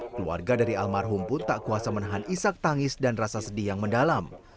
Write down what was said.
keluarga dari almarhum pun tak kuasa menahan isak tangis dan rasa sedih yang mendalam